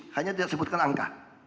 hanya tidak sebutkan angka